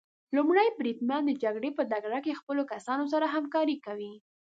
لومړی بریدمن د جګړې په ډګر کې د خپلو کسانو سره همکاري کوي.